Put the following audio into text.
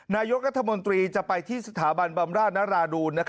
นายกรัฐมนตรีจะไปที่สถาบันบำราชนราดูล